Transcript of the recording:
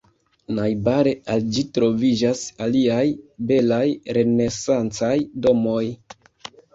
Najbare al ĝi troviĝas aliaj belaj renesancaj domoj.